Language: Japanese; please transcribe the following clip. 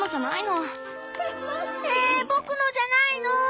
「ええ僕のじゃないのぉ？」。